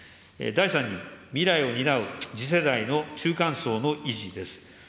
第３に、未来を担う次世代の中間層の維持です。